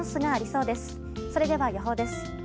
それでは、予報です。